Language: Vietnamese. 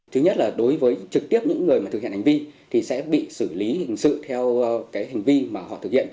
thứ nhất là đối với trực tiếp những người mà thực hiện hành vi thì sẽ bị xử lý hình sự theo hành vi mà họ thực hiện